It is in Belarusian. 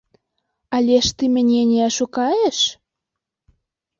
Але ж ты мяне не ашукаеш?